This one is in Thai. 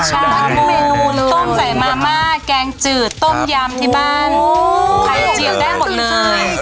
ใช่ทุกเมนูเลยต้มใส่มาม่าแกงจืดต้มยำที่บ้านไข่เจียวได้หมดเลย